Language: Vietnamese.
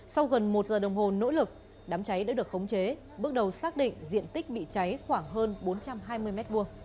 sau gần một giờ đồng hồ nỗ lực đám cháy đã được khống chế bước đầu xác định diện tích bị cháy khoảng hơn bốn trăm hai mươi m hai